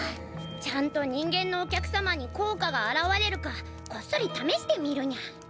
ちゃんと人間のお客様に効果が現れるかこっそりためしてみるにゃ。